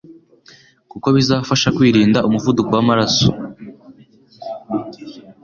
kuko bizafasha kwirinda umuvuduko w'amaraso,